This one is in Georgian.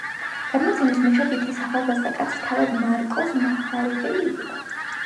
გადმოცემის მიხედვით, ეს ახალგაზრდა კაცი თავად მარკოზ მახარებელი იყო.